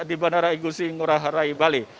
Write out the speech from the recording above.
di bandara igusi ngurah rai bali